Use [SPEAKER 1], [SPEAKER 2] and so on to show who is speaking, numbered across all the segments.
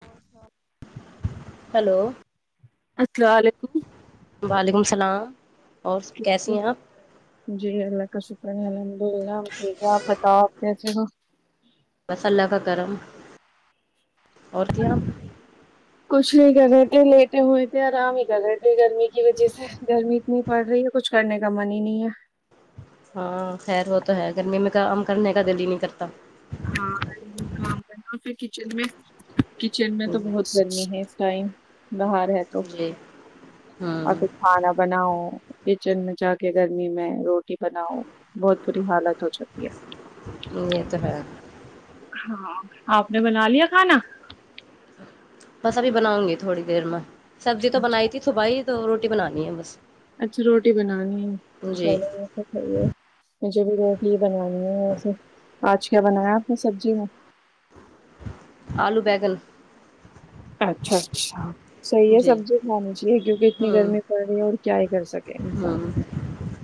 [SPEAKER 1] بس وات
[SPEAKER 2] ہلو
[SPEAKER 1] السلام علیکم
[SPEAKER 2] وعلیکم السلام اور کیسی ہیں آپ
[SPEAKER 1] جی اللہ کا شکر الحمد اللہ ٹھیک ہے آپ بتاؤ آپ کیسے ہو
[SPEAKER 2] بس اللہ کا کرم اور کیا
[SPEAKER 1] کچھ نہیں کر رہے تھے لیٹے ہوئے تھے آرام ہی کر رہے تھے گرمی کی وجہ سے گرمی اتنی پڑ رہی ہے کچھ کرنے کا من ہی نہیں ہے
[SPEAKER 2] ہاں خیر وہ تو ہے گرمی میں کام کرنے کا دل ہی نہیں کرتا
[SPEAKER 1] ہاں یہ کام کرنا پھر کچن میں کچن میں تو بہت گرمی ہے اس ٹائم باہر ہے تو
[SPEAKER 2] جی
[SPEAKER 1] اور پھر
[SPEAKER 2] ہوں
[SPEAKER 1] کھانا بناؤ کچن میں جا کے گرمی میں روٹی بناؤ بہت بری حالت ہو چک ہے
[SPEAKER 2] یہ تو ہے
[SPEAKER 1] ہاں آپ نے بنا لیا کھانا [unintelligible]
[SPEAKER 2] بس ابھی بناؤں گی تھوڑی دیر میں [unintelligible] سبزی تو بنائی تھی ص بائی تو روٹی [unintelligible] روٹی بنانی ہے بس [inaudible]
[SPEAKER 1] اچھا روٹی بنانی ہے ش
[SPEAKER 2] جی
[SPEAKER 1] [unintelligible] مجھے بھی روٹی ہی بنانی ہے ویسے آج کیا بنایا آپ نے سبزی میں [inaudible]
[SPEAKER 2] آلو بیگل [unintelligible]
[SPEAKER 1] اچھا اچھا [inaudible] صحیح ہے سبز کھانی چاہیے کیونکہ اتنی
[SPEAKER 2] ہوں
[SPEAKER 1] گرمی پڑ رہی ہے اور کیا ہی کر سکے انسان
[SPEAKER 2] ہوں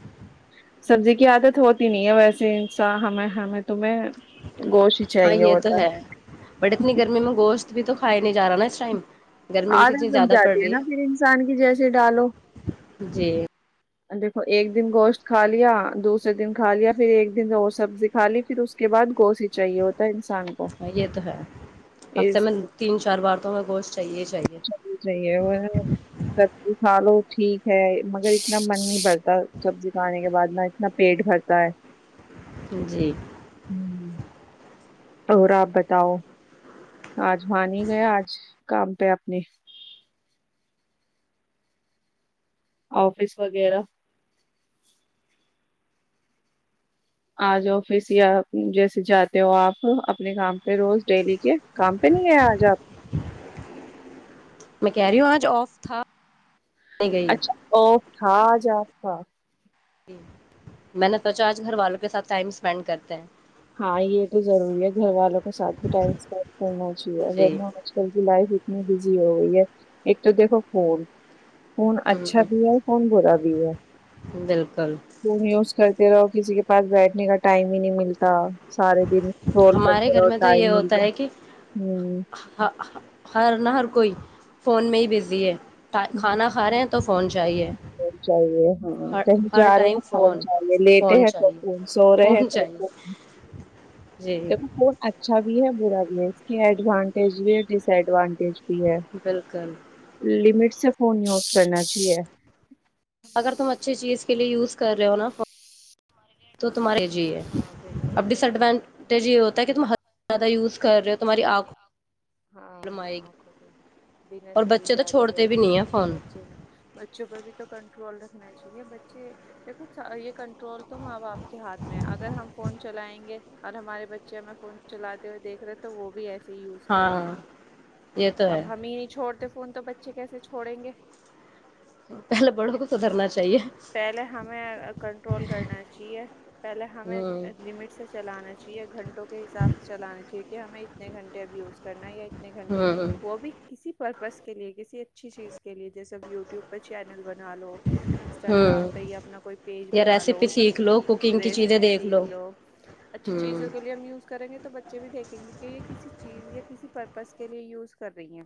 [SPEAKER 1] [unintelligible] سبزی کی عادت ہوتی نہیں ہے ویسے انسا ہمیں ہمیں تمہیں [unintelligible]
[SPEAKER 2] ہاں
[SPEAKER 1] چاہیے
[SPEAKER 2] یہ تو
[SPEAKER 1] ہوتا
[SPEAKER 2] ہے بٹ اتنی گرمی میں گوشت [unintelligible] بھی تو کائے [inaudible]
[SPEAKER 1] آدت بن
[SPEAKER 2] زیادہ پڑ
[SPEAKER 1] جاتی ہے
[SPEAKER 2] رہی
[SPEAKER 1] نا پھر انسان کی جیسے ڈالو
[SPEAKER 2] جی
[SPEAKER 1] دیکھو ایک دن گوشت کھا لیا دوسرے دن کھا لیا پھر ایک دن اور سبزی کھا لی پھر اس کے بعد گوشت ہی چاہیے ہوتا ہے انسان کو
[SPEAKER 2] ہ یہ تو ہے ہفتے میں تین چار بار تو ہوں گا گوشت چاہیے ہی چاہیے
[SPEAKER 1] اچا بھی چیے وہ سی سال ہو ٹھیک ہے مگر اتنا من نہیں بھرتا سبزی کھانے کے بعد نہ اتنا پیٹ بھرتا ہے
[SPEAKER 2] جی
[SPEAKER 1] اور آپ بتاؤ آج مان ہی گیا آج کام پہ اپنے آفس وغیرہ آج آفس یا جیسے جاتے ہو آپ اپنے کام پہ روز ڈیلی کے کام پہ نہیں ہے آج آپ
[SPEAKER 2] میں کہہ رہی ہوں آج آف تھا نہیں گئی
[SPEAKER 1] اچھا اھا جات تھا
[SPEAKER 2] میں نے سوچا آج گھر والوں کے ساتھ ٹائم اسپینڈ کرتے ہیں
[SPEAKER 1] ہاں یہ تو ضروری ہے گھر والوں کے ساتھ بھی ٹائم اسپینڈ کرنا چاہیے اگر
[SPEAKER 2] جی
[SPEAKER 1] میں آج کل کی لائف نہیں بجی ہو گی ہے ایک تو دیکھو فھون فون اچھا
[SPEAKER 2] ہوں
[SPEAKER 1] بھی ہے فون برا بھی ہے
[SPEAKER 2] بالکل
[SPEAKER 1] تو میوز کر رہو کسی کے پاس بیٹھنے کا ٹائم ہی نہیں ملتا سارے دن اسکرول
[SPEAKER 2] ہمارے
[SPEAKER 1] کرتے
[SPEAKER 2] گھر
[SPEAKER 1] رہو
[SPEAKER 2] میں تو یہ
[SPEAKER 1] ٹائم مل
[SPEAKER 2] ہوتا
[SPEAKER 1] جائے۔
[SPEAKER 2] ہے کہ
[SPEAKER 1] ہوں
[SPEAKER 2] ہر نہ ہر کوئی فون میں ہی بزی ہے کھانا کھا رہے ہیں تو فون چاہیے
[SPEAKER 1] فون چاہیے ہاں
[SPEAKER 2] ہر
[SPEAKER 1] کہ
[SPEAKER 2] ہر
[SPEAKER 1] جا
[SPEAKER 2] ٹائم
[SPEAKER 1] رہے فون ج رہے لیٹ
[SPEAKER 2] فون
[SPEAKER 1] ہے کو
[SPEAKER 2] چاہیے
[SPEAKER 1] فون سو رہے ہیں
[SPEAKER 2] فون
[SPEAKER 1] کو
[SPEAKER 2] چاہیے
[SPEAKER 1] فون
[SPEAKER 2] جی
[SPEAKER 1] دیکھو فن اچھا بھی ہے کیڈانٹیج بھی ڈسڈانٹی [unintelligible] بھی ہے
[SPEAKER 2] بالکل
[SPEAKER 1] لمٹ اس سے فون یوز کرنا چاہیے
[SPEAKER 2] اگر تم اچھی چیز کے لیے یوز کر رہے ہو نا فون تو تمہارے جی ہے
[SPEAKER 1] ہاں بالکل
[SPEAKER 2] اب ڈس ایڈوانٹیج یہ ہوتا کہ تم زیادہ یز کرے ہو تمہاری آنکھ کو
[SPEAKER 1] ہاں بنا
[SPEAKER 2] اور
[SPEAKER 1] چلی
[SPEAKER 2] بچے تو
[SPEAKER 1] جاتی ہے
[SPEAKER 2] چھوڑتے بھی
[SPEAKER 1] اس کے
[SPEAKER 2] نہیں ہیں فون
[SPEAKER 1] بچے بچوں پر بھی تو کنٹرول نا چاہیے بچے کچھ یہ کنٹرول تو ماں ا باپ کے ہاتھ میں اگر ہم فون چلائیں گے اور ہمارے بچے ہمیں فون چلاتے ہوئے دیکھ رہے تو وہ بھی ایسے ہی کریں
[SPEAKER 2] ہاں
[SPEAKER 1] گے
[SPEAKER 2] یہ تو
[SPEAKER 1] اب
[SPEAKER 2] ہے
[SPEAKER 1] ہمیں نہیں چھوڑتے فون تو بچے کیسے چھوڑیں گے
[SPEAKER 2] پہلے بڑوں کو سدھرنا چاہیے
[SPEAKER 1] پہلے ہمیں کنٹرول کرنا چاہیے پہلے ہمیں
[SPEAKER 2] ہوں
[SPEAKER 1] لمٹ سے چلانا چاہیے گھنٹوں کے حساب سے چلانا چاہیے کہ ہمیں اتنے گھنٹے ابھی کرنا یا اتنے گھنٹے
[SPEAKER 2] ہوں
[SPEAKER 1] وہ بھی کسی پرپز کے لیے کسی اچھی چیز کے لیے جیسے یوٹیوب پہ چینل بنا لو انسٹاگرام
[SPEAKER 2] ہوں
[SPEAKER 1] پہ یا اپنا کوئی پیج
[SPEAKER 2] یا
[SPEAKER 1] بنا لو
[SPEAKER 2] ریسیپی
[SPEAKER 1] اس
[SPEAKER 2] سیکھ لو کوکنگ کی چیزیں
[SPEAKER 1] ریسیپی
[SPEAKER 2] دیکھ
[SPEAKER 1] سیکھ لو اچھی
[SPEAKER 2] ہوں
[SPEAKER 1] چیزوں کے لیے ہم یوز کریں گے تو بچے بھی دیکھیں گے کہ یہ کسی چیز یا کسی پرپز کے لیے یوز کر رہی ہیں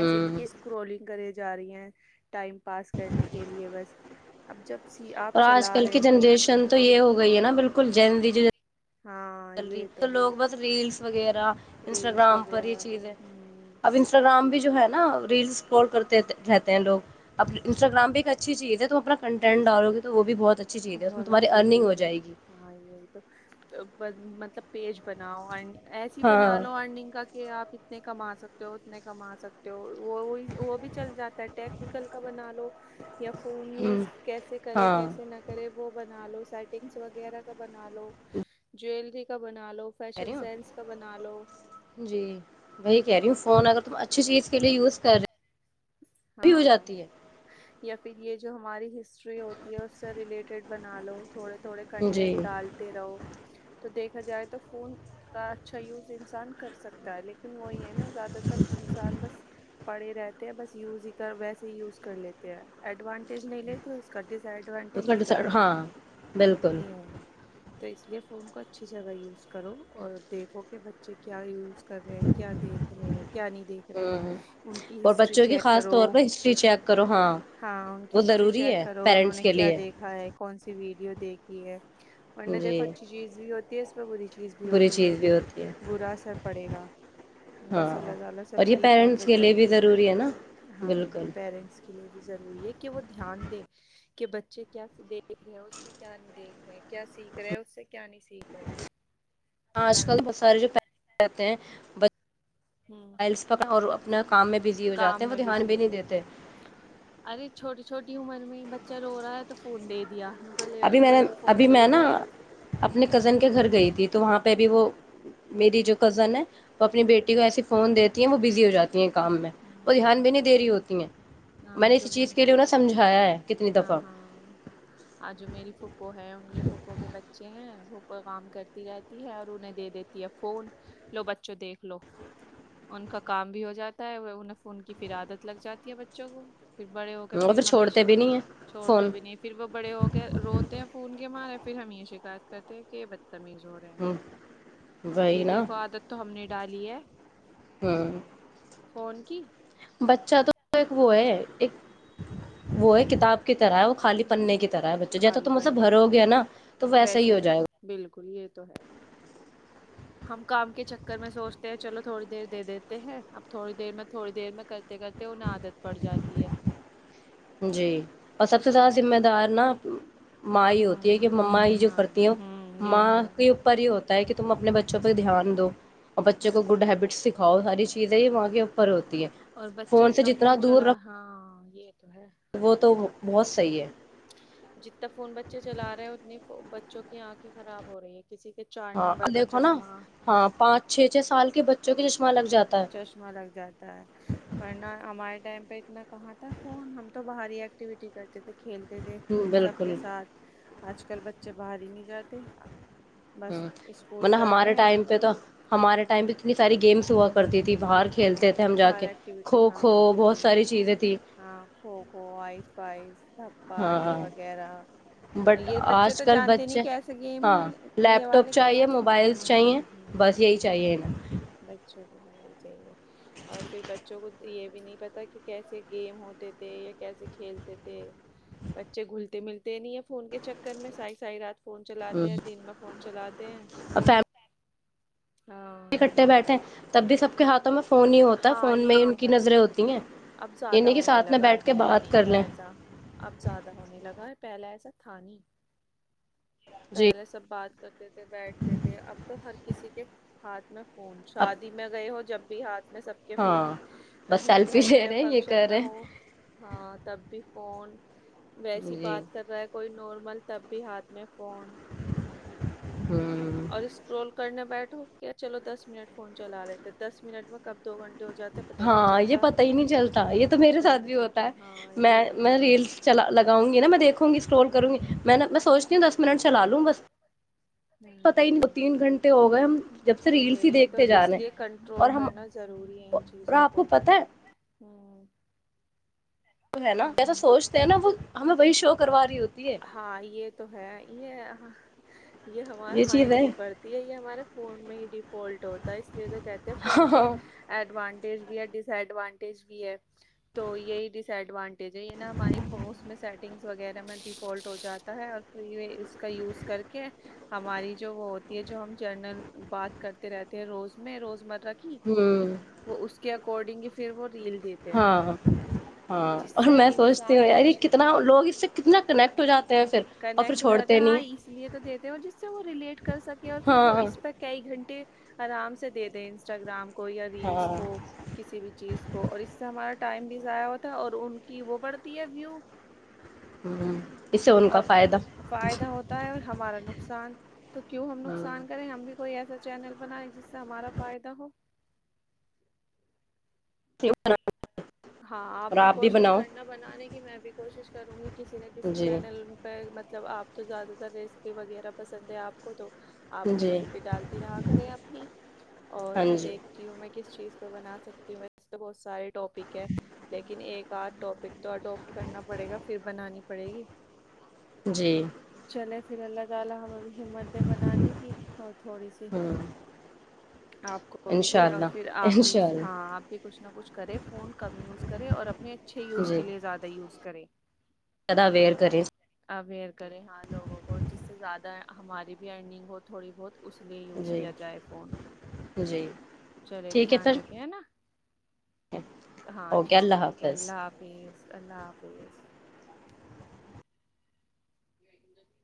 [SPEAKER 1] ایسے نہیں کہ اسکرولنگ کرے جا رہی ہیں ٹائم پاس کرنے کے لیے بس اب جب سی آپ
[SPEAKER 2] اور آج
[SPEAKER 1] چلا
[SPEAKER 2] کل
[SPEAKER 1] رہے
[SPEAKER 2] کی
[SPEAKER 1] ہو
[SPEAKER 2] جنریشن تو یہ ہو گئی ہے نا بالکل ج
[SPEAKER 1] ہاں
[SPEAKER 2] چل رہی
[SPEAKER 1] یہ
[SPEAKER 2] تو
[SPEAKER 1] ہے
[SPEAKER 2] لوگ بس ریلس وغیرہ
[SPEAKER 1] ریلس
[SPEAKER 2] انسٹاگررام پر یہ
[SPEAKER 1] وغیرہ
[SPEAKER 2] چیز ہے
[SPEAKER 1] ہوں
[SPEAKER 2] اب انسٹاگرام بھی جو ہے نا ریلس اسور کرتے رہتے ہیں لوگ اب انسٹاگرام اچھی چیز ہے تو اپنا کن ٹ ڈالو گی تو وہ بھی بہت اچھی چیز ہے اس میں
[SPEAKER 1] بہت
[SPEAKER 2] تمہاری
[SPEAKER 1] اچھی
[SPEAKER 2] ارنگ ہو
[SPEAKER 1] چیز
[SPEAKER 2] جائے
[SPEAKER 1] ہے
[SPEAKER 2] گی
[SPEAKER 1] مطلب پیج بناؤ اینڈ ایسی بنا
[SPEAKER 2] ہاں
[SPEAKER 1] لو ارننگ کا کہ آپ کتنے کما سکتے ہو اتنے کما سکتے ہو وہ وہ وہ بھی چل جاتا ہے ٹیکنیکل کا بنا لو یا فون
[SPEAKER 2] ہوں
[SPEAKER 1] وز [unintelligible] کیسے کرے
[SPEAKER 2] ہاں
[SPEAKER 1] کیسے نہ کرے وہ ب بنا لو سیٹنگس وغیرہ کا بنا لو جیلری کا بنا لو
[SPEAKER 2] کہہ
[SPEAKER 1] فیشن
[SPEAKER 2] رہی
[SPEAKER 1] سے لو
[SPEAKER 2] ہ جی وہی کہہ رہی ہ فون اگر تم اچھی چیز کے لیے یوز کر رہے بھی ہو
[SPEAKER 1] ہاں
[SPEAKER 2] جاتی ہے
[SPEAKER 1] یا پھر یہ جو ہماری ہسٹری ہوتی ہے اس سے ریلیٹڈ بنا لو تھوڑے تھوڑے
[SPEAKER 2] ہے جی
[SPEAKER 1] کنٹینٹ ڈالتے رہو تو دیکھ ھا جائے تو فون کا اچھا یوز انسان کر سکتا ہے لیکن وہی ہے نا زیادہ تر انسان بس پڑے رہتے ہیں بس یز ہی ویسے ہی یوز کر لیتے ہیں ایڈوانٹیج نہیں لیتے اس کا ڈس
[SPEAKER 2] اس
[SPEAKER 1] ایڈانٹیج
[SPEAKER 2] کا
[SPEAKER 1] ہی
[SPEAKER 2] ڈس
[SPEAKER 1] کرتا
[SPEAKER 2] ہاں
[SPEAKER 1] ہے
[SPEAKER 2] بالکل
[SPEAKER 1] یہ تو اس لیے فون کو اچھی جگہ یوز کرو اور دیکھو کہ بچے کیا یوز کر رہے ہیں کیا دیکھ رہے ہیں کیا نہیں دیکھ رہے ہیں
[SPEAKER 2] ہوں
[SPEAKER 1] ان کی
[SPEAKER 2] اور
[SPEAKER 1] ہسٹری
[SPEAKER 2] بچوں کی
[SPEAKER 1] چیک
[SPEAKER 2] خاص طور پر ہسٹری چیک کرو ہاں وہ ضروری ہے پیرنٹس کے لیے
[SPEAKER 1] ویڈیو دیکھی ہے اورن دیکھو
[SPEAKER 2] جی
[SPEAKER 1] اچھی چیز بھی ہوتی ہے واہی چیز بھی
[SPEAKER 2] بری
[SPEAKER 1] ہوتی ہے
[SPEAKER 2] چیز بھی ہوتی ہے
[SPEAKER 1] بڑا آسر پڑیگا بس
[SPEAKER 2] ہاں
[SPEAKER 1] اللہ تلا سب
[SPEAKER 2] اور یہ
[SPEAKER 1] کی
[SPEAKER 2] پیرنٹس
[SPEAKER 1] حفاظت
[SPEAKER 2] کے لیے بھی
[SPEAKER 1] رکھے
[SPEAKER 2] ضروری ہے نا
[SPEAKER 1] ہاں
[SPEAKER 2] بالکل
[SPEAKER 1] پیرنٹس کے لیے ضروری ہے کہ وہ دھیان دے کہ بچے کیا دیکھ رہے اس میں کیا نہیں دیکھ رہے کیا سیکھ رہے اس سے کیا نہیں سیکھ رہے
[SPEAKER 2] آج کل بت سارے جو پسے رہتے ہیں
[SPEAKER 1] ہوں
[SPEAKER 2] فائلس پکیں اور اپنا کام میں بزی ہو جاتے
[SPEAKER 1] کام
[SPEAKER 2] ہیں وہ
[SPEAKER 1] میں
[SPEAKER 2] دھیان
[SPEAKER 1] بزی
[SPEAKER 2] بھی
[SPEAKER 1] ہو
[SPEAKER 2] نہیں
[SPEAKER 1] جاتے
[SPEAKER 2] دیتے
[SPEAKER 1] ارے چھوٹی چھوٹی عمر میں ہی بچہ رو رہا ہے تو فون دے دیا ان کو لے
[SPEAKER 2] ابھی میں نے
[SPEAKER 1] لے تو
[SPEAKER 2] ابھی
[SPEAKER 1] فون
[SPEAKER 2] میں
[SPEAKER 1] دیکھ
[SPEAKER 2] نا
[SPEAKER 1] لے
[SPEAKER 2] اپنے
[SPEAKER 1] ہوں
[SPEAKER 2] کزن کے گھر گئی تھی تو وہاں پہ پ بھی
[SPEAKER 1] ہوں
[SPEAKER 2] وہ میری جو کزن ہے وہ اپنی
[SPEAKER 1] ہوں
[SPEAKER 2] بیٹی کو ایسے فون دیتے کہ وہ بزی جاتے کام میں وہ دھیان
[SPEAKER 1] ہوں
[SPEAKER 2] بھی نہیں دے رہی ہوتی ہیں میں
[SPEAKER 1] ہاں
[SPEAKER 2] نے اس
[SPEAKER 1] جو
[SPEAKER 2] چیز کے لیے سمجھایا ہے کتنی
[SPEAKER 1] ہاں
[SPEAKER 2] دفعہ
[SPEAKER 1] ہاں ہاں جو میری پھپھو ہے ان کے پھوپھ کے بچے ہیں پھپ کام کرتی رہتی ہے اور انہیں دے دیتی ہے فون لو بچوں دیکھ لو ان کا کام بھی ہو جاتا ان کی فھر عادت لگ جاتی ہے بچوں کو پھر بڑے ہو کے
[SPEAKER 2] اور
[SPEAKER 1] پھر ہممیش
[SPEAKER 2] چھوڑتے بھی نہیں ہیں
[SPEAKER 1] چھوڑتے
[SPEAKER 2] فون
[SPEAKER 1] بھی نہیں پھر وہ بڑے ہو کے روتے ہیں فون کے مارے پھر ہم یہ شکایت کرتے ہیں کہ تمیز ہو رہے ہیں
[SPEAKER 2] ہ وہی
[SPEAKER 1] یہ
[SPEAKER 2] نا
[SPEAKER 1] دیکھو عادت تو ہم نے ڈالی ہے
[SPEAKER 2] ہ
[SPEAKER 1] فون کی
[SPEAKER 2] بچہ تو ایک وہ ہے ایک وہ ہے کتاب کی طرح ہے وہ خالی پننے کی طرح ہے بچے جیسا تم سے بھر ہو گیا نا تو ویسا ہی ہو جائے گا
[SPEAKER 1] ب یہ تو ہے ہم کام کے چکر میں سوچتے ہیں چلو تھوڑی دیر دے دیتے ہیں اب تھوڑی دیر میں تھوڑی دیر میں کرتے کرتے انہیں عادت پڑ جاتی ہے
[SPEAKER 2] جی اور سب سے زیادہ ذمہ دار نا ماں یہ ہوتی ہے کہ ما یہ جو کرتی ہیں ماں
[SPEAKER 1] تو ہے
[SPEAKER 2] کے اوپر یہ ہوتا ہے کہ تم اپنے بچوں پہ دھیان دو اور بچوں کو گڈ ہیبٹس سکھاؤ ساری چیزیں یہ وہاں کے اوپر ہوتی ہے
[SPEAKER 1] اور بچے
[SPEAKER 2] سے
[SPEAKER 1] اتنا فون
[SPEAKER 2] جتنا دور
[SPEAKER 1] چلا
[SPEAKER 2] رکھو
[SPEAKER 1] ہاں ایک
[SPEAKER 2] وہ تو بہت صحیح ہے
[SPEAKER 1] جتنا فون بچے چلا رہے ہیں اتنے بچوں کی آنکھیں خراب ہو رہی ہیں
[SPEAKER 2] ہاں ال ہو نا ہاں پانچ چھ چھ سال کے بچے جوونک
[SPEAKER 1] چشمہ لگ جاتا ہے ورنہ ہمارے ٹائم اتنا کہاں تھا فون ہم تو باہر ہی ایکٹیویٹی کرتے تھے کھیلتے تھے سب
[SPEAKER 2] بالکل
[SPEAKER 1] کے ساتھ آج کل بچے باہر ہی نہیں جاتے
[SPEAKER 2] ہ
[SPEAKER 1] بس اسکول
[SPEAKER 2] من
[SPEAKER 1] جاتے
[SPEAKER 2] ہمارے
[SPEAKER 1] ہیں
[SPEAKER 2] ٹائم پہ تو ہمارے ٹائم پہ کتنی ساری گیمس ہوا کرتی تھی باہر
[SPEAKER 1] گیم ہوا
[SPEAKER 2] کھیلتے تھے ہم
[SPEAKER 1] کرتی
[SPEAKER 2] جا
[SPEAKER 1] باہر
[SPEAKER 2] کے
[SPEAKER 1] ایکٹیوٹی
[SPEAKER 2] کھو
[SPEAKER 1] ہاں
[SPEAKER 2] کھو
[SPEAKER 1] ہوتی
[SPEAKER 2] بہت
[SPEAKER 1] تھی
[SPEAKER 2] ساری چیزیں تھی
[SPEAKER 1] ہاں کھو کو فائیو پپا یہ
[SPEAKER 2] ہاں
[SPEAKER 1] وغیرہ
[SPEAKER 2] بٹ
[SPEAKER 1] یہ بچے
[SPEAKER 2] آج
[SPEAKER 1] تو
[SPEAKER 2] کل
[SPEAKER 1] جانتے نہیں
[SPEAKER 2] بچے
[SPEAKER 1] کہ ایسے گیم
[SPEAKER 2] ہاں
[SPEAKER 1] ہوئے یہ
[SPEAKER 2] لیپ ٹاپ
[SPEAKER 1] والے کیسے
[SPEAKER 2] چاہیے موبائلس چاہیے
[SPEAKER 1] گم ہ
[SPEAKER 2] بس یہی چاہیے انہیں
[SPEAKER 1] بچوں چاہے اور پھر بچوں کو یہ بھی نہیں پتا کہ کیسے گیم ہوتے تھے یا کیسے کھیلتے تھے بچے گھلتے ملتے نہیں ہے فون کے چکر میں سائی سائی رات فون چلاتے ہیں دن میں فون چلاتے ہیں ہاں
[SPEAKER 2] کٹے بیٹھے تب بھی سب کے ہاتھوں میں فون ہی ہوتا ہے
[SPEAKER 1] ہاں
[SPEAKER 2] فون میں
[SPEAKER 1] یہ
[SPEAKER 2] ہی
[SPEAKER 1] تو
[SPEAKER 2] ان کی
[SPEAKER 1] ہے
[SPEAKER 2] نظریں ہوتی ہیں
[SPEAKER 1] اب
[SPEAKER 2] یہ
[SPEAKER 1] زیادہ
[SPEAKER 2] نہیں کہ
[SPEAKER 1] ہونے
[SPEAKER 2] ساتھ میں
[SPEAKER 1] لگا ہے
[SPEAKER 2] بیٹھ کے
[SPEAKER 1] پہلے
[SPEAKER 2] بات
[SPEAKER 1] نہیں
[SPEAKER 2] کر
[SPEAKER 1] تھا
[SPEAKER 2] لیں
[SPEAKER 1] ایسا اب زیادہ ہونے لگا ہے پہلاے ایسا تھتانی
[SPEAKER 2] جی
[SPEAKER 1] پہلے سب بات کرتے تھے بیٹھتے تھے اب تو ہر کسی کے ہاتھ میں فون
[SPEAKER 2] اب
[SPEAKER 1] شادی میں گئے ہو جب [unintelligible] میں سب کے
[SPEAKER 2] ہاں
[SPEAKER 1] فون
[SPEAKER 2] بس
[SPEAKER 1] کہیں
[SPEAKER 2] سیلفی
[SPEAKER 1] گھر
[SPEAKER 2] لے
[SPEAKER 1] میں
[SPEAKER 2] رہے ہیں یہ کر
[SPEAKER 1] فنکشن میں
[SPEAKER 2] رہے
[SPEAKER 1] ہو ہاں تب بھی ف فون
[SPEAKER 2] ہیں
[SPEAKER 1] ویسی
[SPEAKER 2] جی
[SPEAKER 1] بات کر رہا ہے کوئی نارم مل تب بھی ہاتھ میں فون
[SPEAKER 2] ہوں
[SPEAKER 1] اور اسکرول کرنے بیٹھ ک چلو دس منٹ فون چلا لیتے دس منٹ میں کب دو گھنٹے ہو جاتے پتہ ہی نہیں
[SPEAKER 2] ہاں یہ
[SPEAKER 1] چلتا
[SPEAKER 2] پتا ہی نہیں چلتا یہ تو میرے
[SPEAKER 1] پتہ ہی
[SPEAKER 2] ساتھ
[SPEAKER 1] نہیں
[SPEAKER 2] بھی ہوتا
[SPEAKER 1] چلتا
[SPEAKER 2] ہے
[SPEAKER 1] ہاں
[SPEAKER 2] میں
[SPEAKER 1] یہ ہوتا
[SPEAKER 2] میں
[SPEAKER 1] ہے
[SPEAKER 2] ریل چ لگاؤں گی نا میں دیکھوں گی اسٹرول کروں گی میں
[SPEAKER 1] ہوں،
[SPEAKER 2] نا میں سوچتی ہوں دس منٹ چلا لوں بس پت ہی نہیں دو
[SPEAKER 1] ہوں،
[SPEAKER 2] تین گھنٹے ہو گئے ہم جب سے ریلس ہی
[SPEAKER 1] یہی تو
[SPEAKER 2] دیکھتے جا
[SPEAKER 1] اس
[SPEAKER 2] رہے
[SPEAKER 1] لیے
[SPEAKER 2] ہیں اور
[SPEAKER 1] کنٹرول
[SPEAKER 2] ہم
[SPEAKER 1] کرنا ضروری ہے ان چیزوں
[SPEAKER 2] آپ کو پت ہے
[SPEAKER 1] ہوں
[SPEAKER 2] وہ ہے نا
[SPEAKER 1] ہوں
[SPEAKER 2] جیسا سوچتے ہیں نا وہ ہمیں وہی شو کروا رہی ہوتی ہے
[SPEAKER 1] ہاں یہ تو ہے یہ یہ ہمارا
[SPEAKER 2] چیز
[SPEAKER 1] مائنڈ
[SPEAKER 2] ہے
[SPEAKER 1] نہیں پڑتی ہے یہ ہمارے فون میں ہی ڈیفالٹ ہوتا ہے اس لیے تو کہتے
[SPEAKER 2] ہاں
[SPEAKER 1] فون
[SPEAKER 2] ہاں
[SPEAKER 1] کے ایڈوان بھی ہے ڈس ایڈوانٹیج بھی ہے تو یہی وانٹیج ہے یہ نا ہماری میں سیٹنگس وغیرہ میں ڈیفالٹ ہو جاتا ہے اور پھر اس کا یوز کر کے ہماری جو وہ ہوتی ہے جو ہم جرنل بات کرتے رہتے ہیں روز میں روزمرہ رکھی
[SPEAKER 2] ہوں
[SPEAKER 1] وہ اس کے اگر ڈنگی پھر وہ ریل دیتے ہیں
[SPEAKER 2] ہاں ہاں
[SPEAKER 1] جس
[SPEAKER 2] اور
[SPEAKER 1] سے
[SPEAKER 2] میں سوچتی
[SPEAKER 1] انسان
[SPEAKER 2] ہوں
[SPEAKER 1] اس
[SPEAKER 2] یار
[SPEAKER 1] چی-
[SPEAKER 2] کتنا لوگ اس سے کتنا کنیکٹ جاتا
[SPEAKER 1] کنیکٹ ہو جاتے ہیں ہاں اس لیے تو دیتے ہیں اور جس سے وہ ریلیٹ کر سکے اور پھر وہ
[SPEAKER 2] ہاں
[SPEAKER 1] اس پہ کئی گھنٹے آرام سے دے دیں انسٹاگرام کو یا
[SPEAKER 2] ہاں
[SPEAKER 1] ریلس کو کسی بھی چیز کو اور اس سے ہمارے ٹائم بھی ضائع ہوتا ہے اور ان کی وہ بڑتی ہے ویو
[SPEAKER 2] ہوں اس سے ان کا
[SPEAKER 1] اور
[SPEAKER 2] فائدہ
[SPEAKER 1] فائدہ ہوتا ہے اور ہمارا نقصان تو کیوں ہم نقصان کریں ہم بھی کوئی ایسا چینل بنائے جس سے ہمارا فائدہ ہو
[SPEAKER 2] س
[SPEAKER 1] ہاں آپ بھی کوشش کرنا بنانے کی میں بھی کوشش کروں گی کسی نہ کسی
[SPEAKER 2] جی
[SPEAKER 1] چینل پہ مطلب آپ تو زیادہ تر ریسیپی وغیرہ پسند ہے آپ کو تو آپ
[SPEAKER 2] جی
[SPEAKER 1] ریسیپی ڈالتی رہا کریں اپنی اور
[SPEAKER 2] ہاں
[SPEAKER 1] میں
[SPEAKER 2] جی
[SPEAKER 1] دیکھتی ہوں میں کس چیز بنا سکتی ہوںس تو بہت سارےٹاپک لیکن ایک آدھ ٹاپک تو اڈوپٹ کرنا پڑے گا پھر بنانی پڑے گی
[SPEAKER 2] جی
[SPEAKER 1] چلے پھر اللہالا ہم بھی ہمت د بنانی ہی اور تھوڑی سی
[SPEAKER 2] ہوں
[SPEAKER 1] آپ کو بھی
[SPEAKER 2] انشاء
[SPEAKER 1] دے اور پھر
[SPEAKER 2] اللہ
[SPEAKER 1] آپ بھی
[SPEAKER 2] انشاء اللہ
[SPEAKER 1] ہاں آپ بھی کچھ نہ کچھ کرے فون کم یوز کرے اور اپنے اچھے یوز کے
[SPEAKER 2] جی
[SPEAKER 1] لیے زیادہ یوز کر کریں
[SPEAKER 2] زیادہ اویئر کریں
[SPEAKER 1] اوئر کرے ہاں لوگوں کو جس سے زیادہ ہماری بھی اینڈنگ ہو تھوڑی بہت اس لیے یوز
[SPEAKER 2] جی
[SPEAKER 1] کیا جائے فون
[SPEAKER 2] جی
[SPEAKER 1] چلے
[SPEAKER 2] ٹھیک ہے
[SPEAKER 1] دھیان
[SPEAKER 2] پھر
[SPEAKER 1] رکھیں نا ہاں
[SPEAKER 2] اوکے
[SPEAKER 1] ٹھیک ہے
[SPEAKER 2] اللہ
[SPEAKER 1] ٹھیک ہے
[SPEAKER 2] حافظ
[SPEAKER 1] اللہ حافظ اللہ لہ حافظ